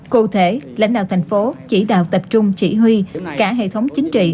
cụ thể lãnh đạo thành phố chỉ đạo tập trung chỉ huy cả hệ thống chính trị